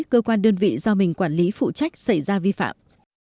cơ quan đơn vị do mình quản lý phụ trách xảy ra vi phạm